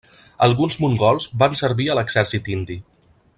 Alguns mongols van servir a l'exèrcit indi.